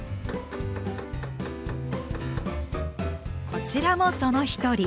こちらもその一人。